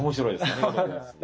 ありがとうございます。